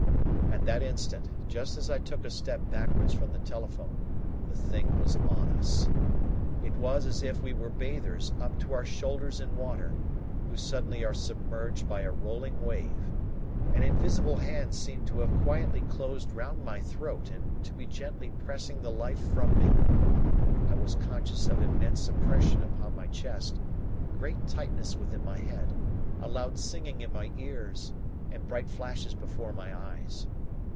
At that instant, just as I took a step backwards from the telephone, the thing was on us. It was as if we were bathers, up to our shoulders in water, who suddenly are submerged by a rolling wave. An invisible hand seemed to have quietly closed round my throat and to be gently pressing the life from me. I was conscious of immense oppression upon my chest, great tightness within my head, a loud singing in my ears, and bright flashes before my eyes.